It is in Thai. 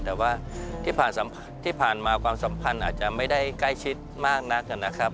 แต่ว่าที่ผ่านมาความสัมพันธ์อาจจะไม่ได้ใกล้ชิดมากนักนะครับ